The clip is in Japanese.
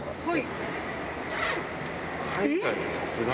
はい。